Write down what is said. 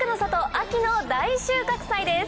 秋の大収穫祭です。